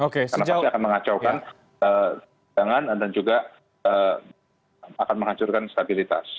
karena pasti akan mengacaukan jalan dan juga akan menghancurkan stabilitas